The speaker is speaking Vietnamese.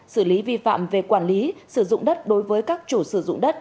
xử lý vi phạm về quản lý sử dụng đất đối với các chủ sử dụng đất